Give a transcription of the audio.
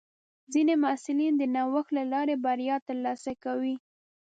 ځینې محصلین د نوښت له لارې بریا ترلاسه کوي.